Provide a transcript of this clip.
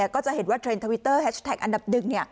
ก็จะเห็นว่าเทรนด์ทวิตเตอร์แฮชแท็กอันดับหนึ่ง